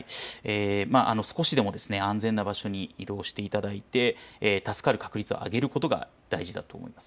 少しでも安全な場所に移動していただいて助かる確率を上げることが大事だと思います。